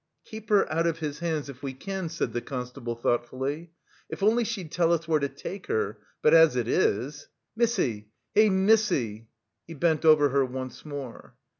"Keep her out of his hands we can," said the constable thoughtfully, "if only she'd tell us where to take her, but as it is.... Missy, hey, missy!" he bent over her once more.